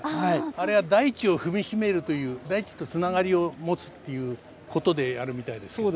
あれは大地を踏み締めるという大地とつながりを持つっていうことでやるみたいですけど。